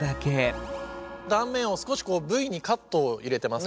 断面を少しＶにカットを入れてます。